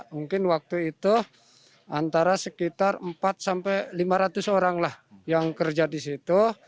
mungkin waktu itu antara sekitar empat sampai lima ratus orang lah yang kerja di situ